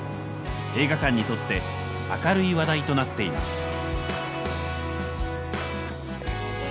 映画館にとって明るい話題となっています。